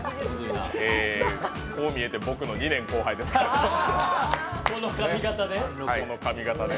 こう見えて僕の２年後輩ですから、この髪形で。